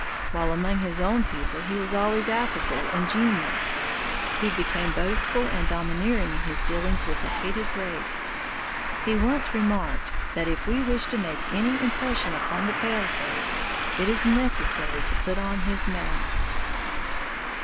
While among his own people he was always affable and genial, he became boastful and domineering in his dealings with the hated race. He once remarked that "if we wish to make any impression upon the pale face, it is necessary to put on his mask."